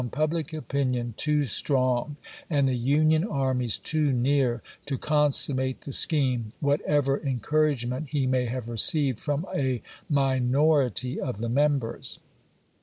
public opinion too strong and the Union armies too near to consummate the scheme, whatever en couragement he may have received from a minority of the members.